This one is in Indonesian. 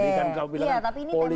tadi kan kau bilang politik